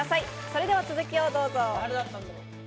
それでは続きをどうぞ。